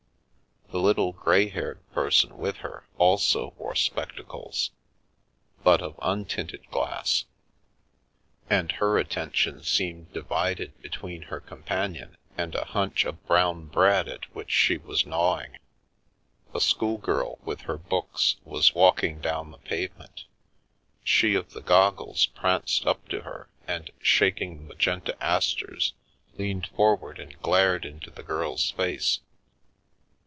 The little, grey haired person with her also wore spectacles, but of untinted glass, and her attention seemed divided be tween her companion and a hunch of brown bread at which she was gnawing. A schoolgirl, with her books, was walking down the pavement; she of the goggles pranced up to her and, shaking the magenta asters, leaned forward and glared into the girl's face.